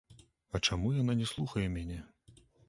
А чаму яна не слухае мяне?